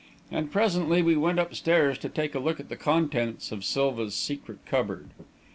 And presently we went upstairs to take a look at the contents of Silva's secret cupboard.